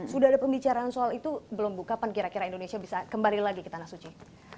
sudah ada pembicaraan soal itu belum buka kapan kira kira indonesia bisa kembali lagi ke tanah suci